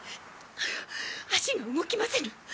あ足が動きませぬ。